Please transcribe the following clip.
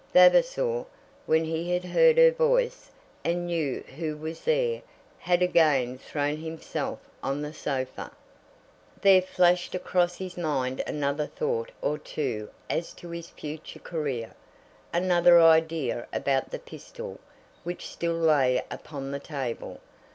Vavasor, when he had heard her voice, and knew who was there, had again thrown himself on the sofa. There flashed across his mind another thought or two as to his future career, another idea about the pistol, which still lay upon the table.